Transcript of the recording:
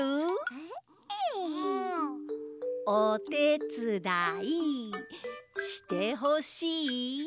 おてつだいしてほしい？